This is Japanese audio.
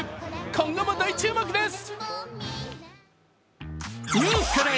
今後も大注目です。